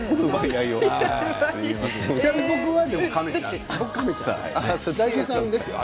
僕は亀ちゃんで。